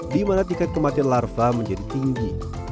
dimana tingkat kematian larva menjadi tinggi